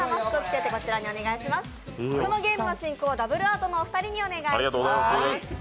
このゲームの進行はダブルアートのお二人にお願いします。